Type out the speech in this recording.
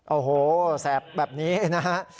โอ้โหแสบแบบนี้นะฮะ